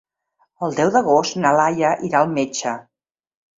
El deu d'agost na Laia irà al metge.